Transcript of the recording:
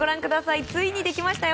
ついにできましたよ。